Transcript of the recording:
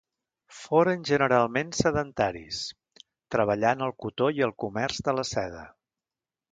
Foren generalment sedentaris, treballant al cotó i el comerç de la seda.